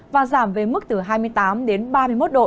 và giảm về mức từ hai mươi tám đến ba mươi một độ